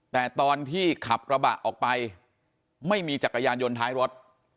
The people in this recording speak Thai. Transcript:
แต่ตอนที่ขับกระบะออกไปไม่มีจักรยานยนต์ท้ายรถ